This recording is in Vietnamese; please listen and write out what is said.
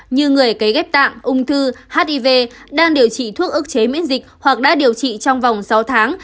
như người cấy ghép tạng ung thư hiv đang điều trị thuốc ức chế miễn dịch hoặc đã điều trị trong vòng sáu tháng